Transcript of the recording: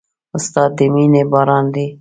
استاد د مینې باران دی.